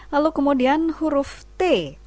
lalu kemudian huruf t